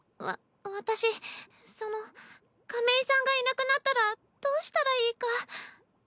わ私その亀井さんがいなくなったらどうしたらいいか。